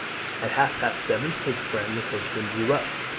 At half past seven his friend the coachman drew up.